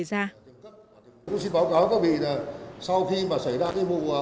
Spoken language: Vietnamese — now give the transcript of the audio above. xa tôi xin báo cáo các vị là sau khi mà xảy ra cái mùa